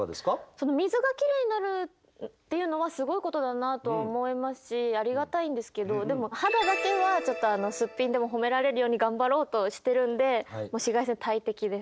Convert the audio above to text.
その水がきれいになるっていうのはすごいことだなと思いますしありがたいんですけどでも肌だけはちょっとすっぴんでも褒められるように頑張ろうとしてるんでもう紫外線は大敵です。